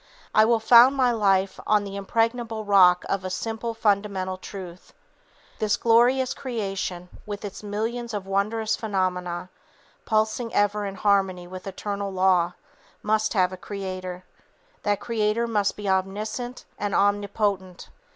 I will found my life on the impregnable rock of a simple fundamental truth: 'This glorious creation with its millions of wondrous phenomena pulsing ever in harmony with eternal law must have a Creator, that Creator must be omniscient and omnipotent.